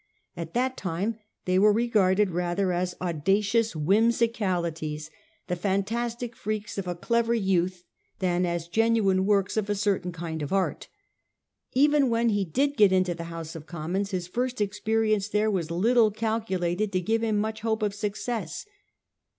At that time they were regarded rather as audacious whimsicalities, the fantastic freaks of a clever youth, than as genuine works of a certain kind of art. Even when he did get into the House of Commons, his first experience there was little calculated to give him much hope of success.